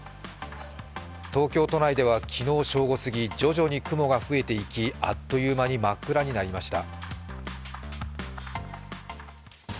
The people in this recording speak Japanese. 東京都内では昨日正午過ぎ徐々に雲が増えていき、あっという間に真っ暗になりました。